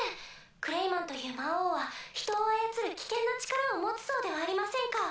クレイマンという魔王は人を操る危険な力を持つそうではありませんか。